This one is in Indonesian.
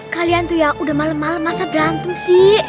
kalian tuh ya udah malem malem masa berantem sih